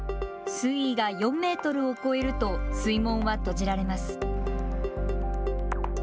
水位が４メートルを越えると水門は閉じられます。